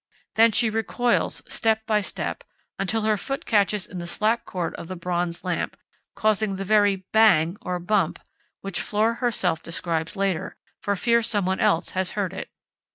Then she recoils step by step, until her foot catches in the slack cord of the bronze lamp, causing the very 'bang or bump' which Flora herself describes later, for fear someone else has heard it.